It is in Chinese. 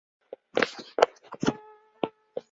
简称为日本三大佛。